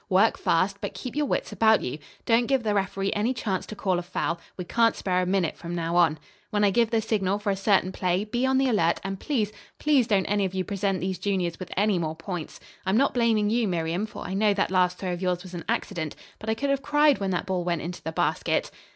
Work fast, but keep your wits about you. Don't give the referee any chance to call a foul, we can't spare a minute from now on. When I give the signal for a certain play, be on the alert, and please, please don't any of you present those juniors with any more points. I'm not blaming you, Miriam, for I know that last throw of yours was an accident, but I could have cried when that ball went into the basket."